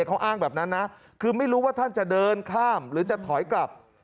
เขาอ้างแบบนั้นนะคือไม่รู้ว่าท่านจะเดินข้ามหรือจะถอยกลับ